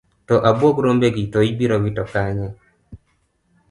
To abuog rombegi to ibiro wit kanye?